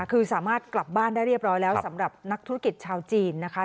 คือสามารถกลับบ้านได้เรียบร้อยแล้วสำหรับนักธุรกิจชาวจีนนะคะ